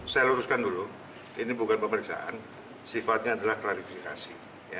saya luruskan dulu ini bukan pemeriksaan sifatnya adalah klarifikasi